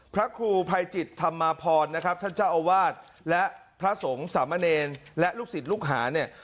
พระครูภัยจิตธรรมาพรนะครับท่านเจ้าอาวาสและพระสงฆ์สามเณรและลูกศิษย์ลูกหาเนี่ย